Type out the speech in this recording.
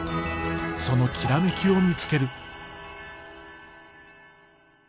その煌めきを見つける。